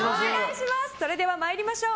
それでは参りましょう。